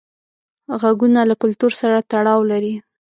غږونه له کلتور سره تړاو لري.